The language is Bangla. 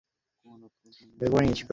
বের করে এনেছি প্রায়।